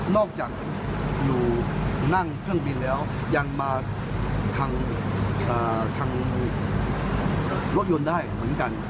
จากอยู่นั่งเครื่องบินแล้วยังมาทางรถยนต์ได้เหมือนกัน